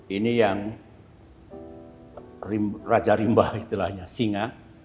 ini yang raja rimba istilahnya singa